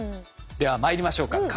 ではまいりましょうか。